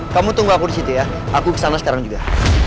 kamu tunggu aku disitu ya aku kesana sekarang juga